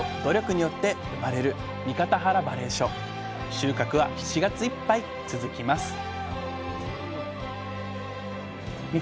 収穫は７月いっぱい続きますいや